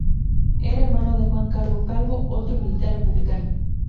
Era hermano de Juan Calvo Calvo, otro militar republicano.